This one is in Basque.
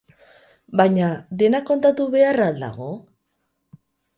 Baina dena kontatu beharra al dago?